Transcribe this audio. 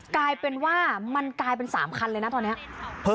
กลายเป็นว่ามันกลายเป็น๓คันเลยนะตอนนี้